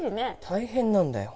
大変なんだよ